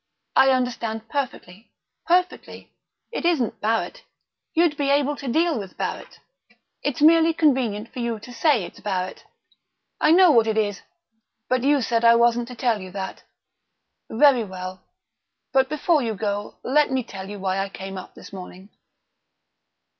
"I understand perfectly perfectly. It isn't Barrett. You'd be able to deal with Barrett. It's merely convenient for you to say it's Barrett. I know what it is ... but you said I wasn't to tell you that. Very well. But before you go let me tell you why I came up this morning."